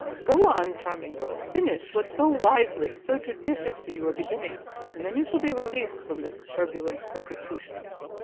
Go on, charming girl, finish what so wisely, so judiciously you were beginning, and then you shall be released from this turbulent persecution."